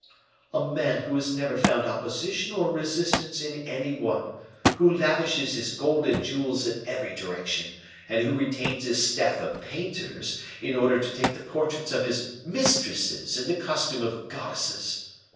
"A man who has never found opposition or resistance in any one, who lavishes his gold and jewels in every direction, and who retains his staff of painters in order to take the portraits of his mistresses in the costume of goddesses."